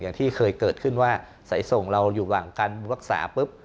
อย่างที่เคยเกิดขึ้นว่าสายส่งเราอยู่ระหว่างการรักษาปุ๊บ